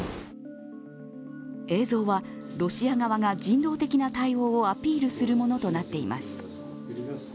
映像はロシア側が人道的な対応をアピールするものとなっています。